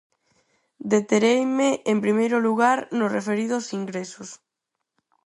Detereime, en primeiro lugar, no referido aos ingresos.